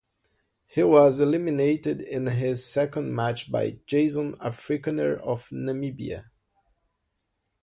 He was eliminated in his second match by Jason Afrikaner of Namibia.